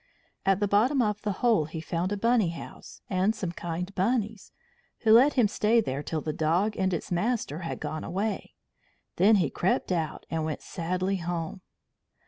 At the bottom of the hold he found a Bunny house, and some kind Bunnies, who let him stay there till the dog and its master had gone away. Then he crept out, and went sadly home.